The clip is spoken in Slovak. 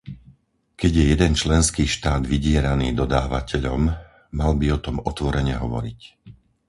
Keď je jeden členský štát vydieraný dodávateľom, mal by o tom otvorene hovoriť.